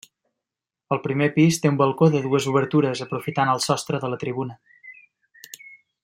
El primer pis té un balcó de dues obertures aprofitant el sostre de la tribuna.